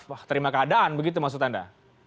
wah terima keadaan begitu maksud anda